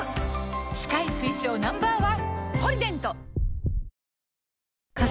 歯科医推奨 Ｎｏ．１！